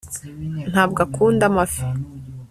ntabwo akunda amafi